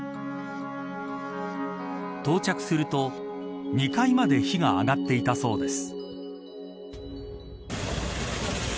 到着すると、２階まで火が上がっていたそうです。